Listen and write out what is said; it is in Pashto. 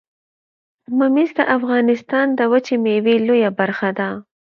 ممیز د افغانستان د وچې میوې لویه برخه ده